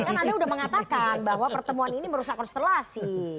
tapi kan anda sudah mengatakan bahwa pertemuan ini merusak konstelasi